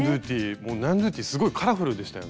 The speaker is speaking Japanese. もうニャンドゥティすごいカラフルでしたよね。